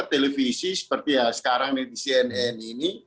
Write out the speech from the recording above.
televisi seperti ya sekarang di cnn ini